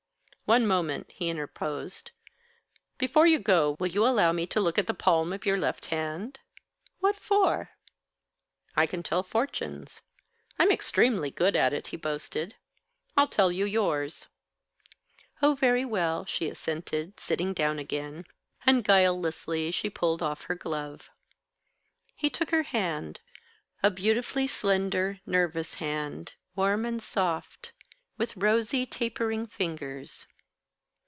"One moment," he interposed. "Before you go will you allow me to look at the palm of your left hand?" "What for?" "I can tell fortunes. I'm extremely good at it," he boasted. "I'll tell you yours." "Oh, very well," she assented, sitting down again: and guilelessly she pulled off her glove. He took her hand, a beautifully slender, nervous hand, warm and soft, with rosy, tapering fingers.